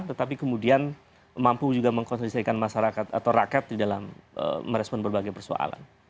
tetapi kemudian mampu juga mengkonsolidasikan masyarakat atau rakyat di dalam merespon berbagai persoalan